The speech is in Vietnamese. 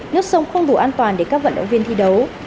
nước sông không đủ an toàn để các vận động viên thi đấu